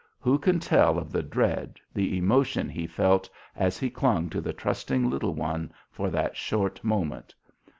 Who can tell of the dread, the emotion he felt as he clung to the trusting little one for that short moment?